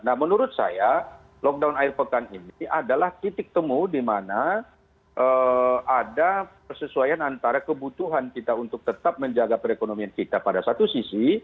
nah menurut saya lockdown akhir pekan ini adalah titik temu di mana ada persesuaian antara kebutuhan kita untuk tetap menjaga perekonomian kita pada satu sisi